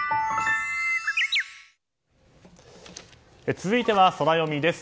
続いてはソラよみです。